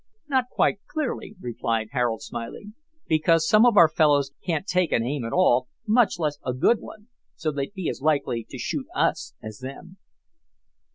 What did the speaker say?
"Not quite clearly," replied Harold, smiling, "because some of our fellows can't take an aim at all, much less a good one, so they'd be as likely to shoot us as them."